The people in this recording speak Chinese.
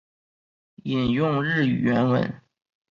引用日语原文